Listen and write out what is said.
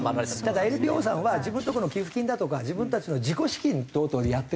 ただＮＰＯさんは自分のとこの寄付金だとか自分たちの自己資金等々でやってるので。